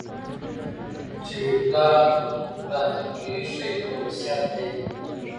چي مي پلار راته پرې ایښی په وصیت دی